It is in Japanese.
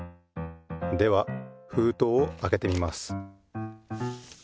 ではふうとうをあけてみます。